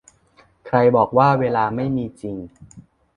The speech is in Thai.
ใครบอกว่าเวลาไม่มีจริง